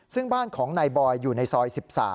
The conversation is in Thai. ซึ่งบ้านของนายบอยอยู่ในซอย๑๓